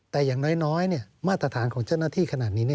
แต่อย่างน้อยมาตรฐานของเจ้าหน้าที่ขนาดนี้